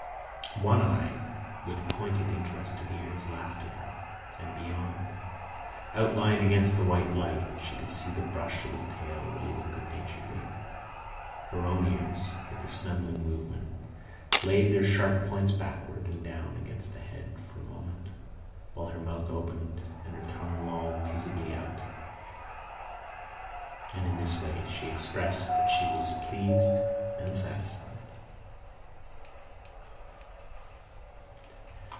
One Eye, with pointed, interested ears, laughed at her, and beyond, outlined against the white light, she could see the brush of his tail waving good naturedly. Her own ears, with a snuggling movement, laid their sharp points backward and down against the head for a moment, while her mouth opened and her tongue lolled peaceably out, and in this way she expressed that she was pleased and satisfied.